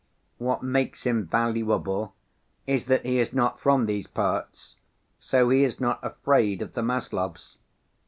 What makes him valuable is that he is not from these parts, so he is not afraid of the Maslovs.